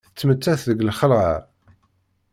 Tettmettat deg lxelɛa.